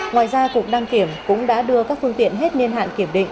ngoài ra cục đăng kiểm cũng đã đưa các phương tiện hết niên hạn kiểm định